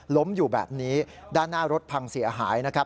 ล้มอยู่แบบนี้ด้านหน้ารถพังเสียหายนะครับ